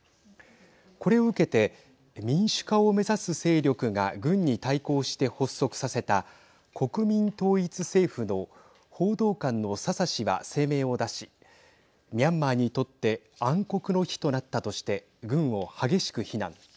これを受けて民主化を目指す勢力が軍が発足させた国民統一政府の報道官のササ氏は声明を出しミャンマーにとって暗黒の日となったとして軍を激しく非難。